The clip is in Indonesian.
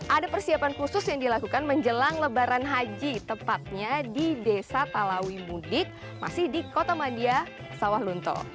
ada persiapan khusus yang dilakukan menjelang lebaran haji tepatnya di desa talawi mudik masih di kota mandia sawah lunto